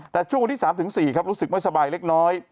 แต่ช่วงวันที่๓๔ครับรู้สึกไม่สบายเล็กน้อย